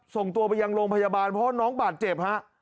ส่งตัวไปยังโรงพยาบาลเพราะว่าน้องบาดเจ็บฮะ